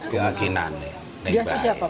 di asli siapa pak